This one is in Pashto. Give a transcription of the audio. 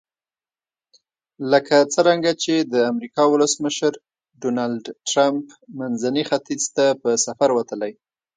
لکه څرنګه چې د امریکا ولسمشر ډونلډ ټرمپ منځني ختیځ ته په سفر وتلی.